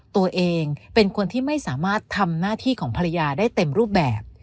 ตัวเองเป็นคนที่ไม่สามารถทำหน้าที่ของภรรยาได้เต็มรูปแบบ